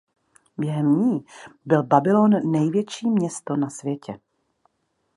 Během ní byl Babylón největší město na světě.